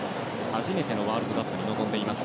初めてのワールドカップに臨んでいます。